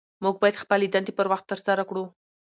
موږ باید خپلې دندې پر وخت ترسره کړو